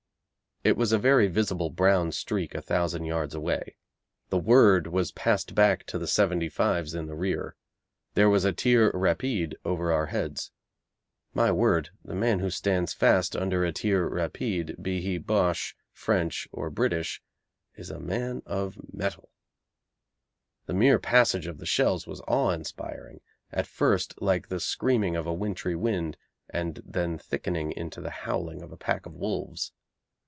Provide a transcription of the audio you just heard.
It was a very visible brown streak a thousand yards away. The word was passed back to the '75's' in the rear. There was a 'tir rapide' over our heads. My word, the man who stands fast under a 'tir rapide,' be he Boche, French or British, is a man of mettle! The mere passage of the shells was awe inspiring, at first like the screaming of a wintry wind, and then thickening into the howling of a pack of wolves.